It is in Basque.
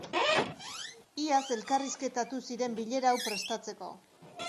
Iaz elkarrizketatu ziren bilera hau prestatzeko.